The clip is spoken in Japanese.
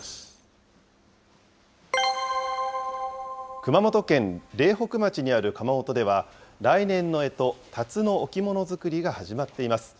熊本県苓北町にある窯元では、来年のえと、たつの置物作りが始まっています。